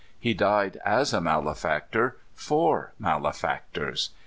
He died as a malefactor, for malefactors.